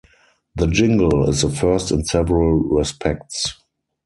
The jingle is the first in several respects.